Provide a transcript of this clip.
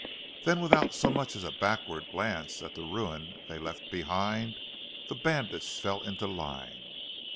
Then without so much as a backward glance at the ruin they left behind the bandits fell into line.